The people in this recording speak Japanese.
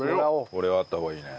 これはあった方がいいね。